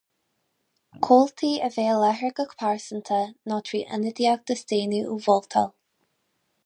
comhaltaí a bheidh i láthair go pearsanta nó trí ionadaíocht a staonadh ó vótáil